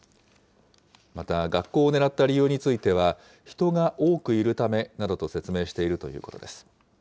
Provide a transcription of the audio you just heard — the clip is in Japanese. また、学校を狙った理由については、人が多くいるためなどと説明しているということです。